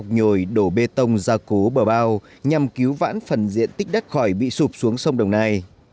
nhồi đổ bê tông ra cố bờ bao nhằm cứu vãn phần diện tích đất khỏi bị sụp xuống sông đồng nai